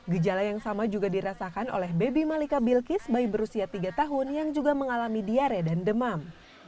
gejala yang sama juga dirasakan oleh baby malika bilkis bayi berusia tiga tahun yang juga mengalami diare dan demam